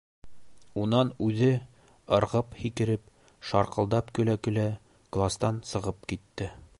Унан үҙе, ырғып-һикереп, шарҡылдап көлә-көлә, кластан сығып китте.